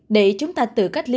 để chúng ta tự cách ly